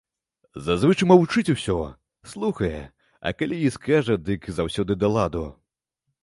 Зазвычай маўчыць усё, слухае, а калі й скажа, дык заўсёды да ладу.